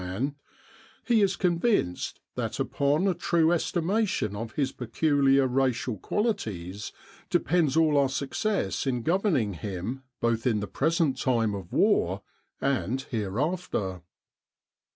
man he is convinced that upon a true estimation of his peculiar racial qualities depends all our success in governing him both in the present time of war and hereafter.